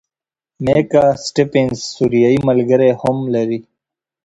میکا سټیفنز سوریایي ملګری هم لري.